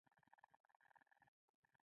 اسلام اباد کې هم مېټرو شته.